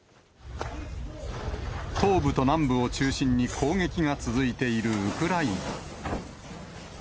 東部と南部を中心に攻撃が続いているウクライナ。